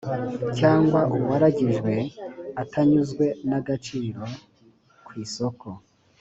cyangwa uwaragijwe atanyuzwe n agaciro ku isoko